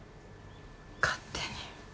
勝手に。